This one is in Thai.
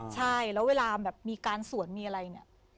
ใช่แล้วเวลาแบบมีการสวนมีอะไรเนี่ย